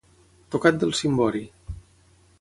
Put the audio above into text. Tocat del cimbori.